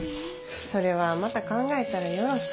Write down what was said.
それはまた考えたらよろし。